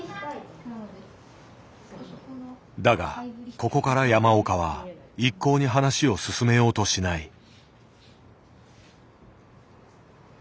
だがここから山岡は一向に話を進めようとしない。